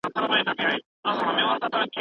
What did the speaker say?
په رنګ او په وږمو یې ور په ور لارې تړلي